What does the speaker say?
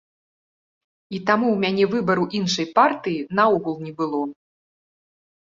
І таму ў мяне выбару іншай партыі наогул не было.